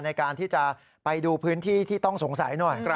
ในการที่จะไปดูพื้นที่ที่ต้องสงสัยหน่อย